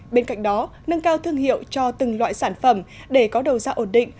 bên cạnh đó nâng cao thương hiệu cho từng loại sản phẩm để có đầu ra ổn định